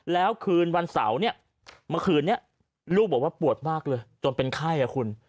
แล้วคืนวันเสาร์เนี่ยเมื่อคืนนี้ลูกบอกว่าปวดมากเลยจนเป็นไข้อ่ะคุณ